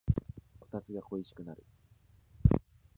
こたつが恋しくなる